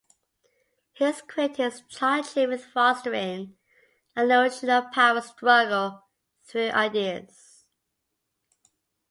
His critics charge him with fostering a notion of power struggle through ideas.